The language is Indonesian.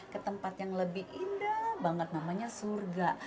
ke tempat yang lebih indah banget namanya surga